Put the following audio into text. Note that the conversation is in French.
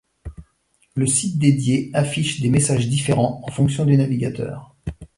Le site dédié affiche des messages différents en fonction du navigateur.